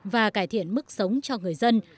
và cải thiện mức sống cho người dân